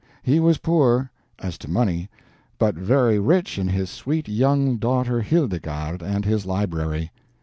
He was poor, as to money, but very rich in his sweet young daughter Hildegarde and his library.